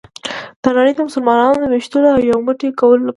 د نړۍ د مسلمانانو ویښولو او یو موټی کولو لپاره.